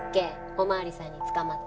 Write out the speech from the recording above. お巡りさんに捕まって。